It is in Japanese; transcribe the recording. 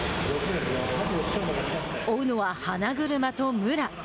追うのは花車と武良。